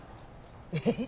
えっ？